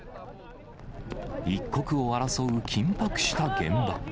一刻を争う緊迫した現場。